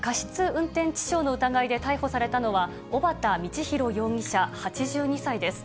運転致傷の疑いで逮捕されたのは、小畠教弘容疑者８２歳です。